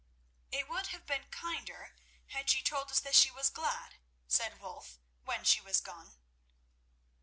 "It would have been kinder had she told us that she was glad," said Wulf when she was gone.